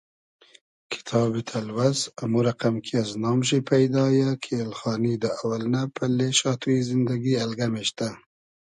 کیتابی تئلوئس امو رئقئم کی از نام شی پݷدا یۂ کی ایلخانی دۂ اۆئلنۂ پئلې شاتوی زیندئگی الگئم اېشتۂ